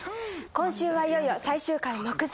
今週はいよいよ最終回目前。